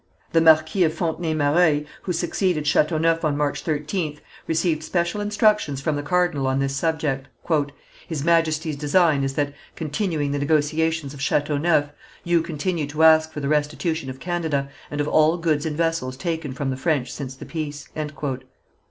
The Marquis of Fontenay Mareuil, who succeeded Chateauneuf on March 13th, received special instructions from the cardinal on this subject: "His Majesty's design is that, continuing the negotiations of Chateauneuf, you continue to ask for the restitution of Canada, and of all goods and vessels taken from the French since the peace."